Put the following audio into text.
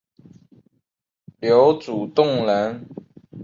刘祖洞人。